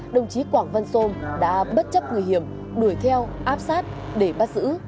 đồng chí quảng văn sôm đã bất chấp nguy hiểm đuổi theo áp sát để bắt giữ